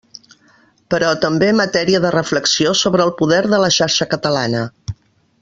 Però també matèria de reflexió sobre el poder de la xarxa catalana.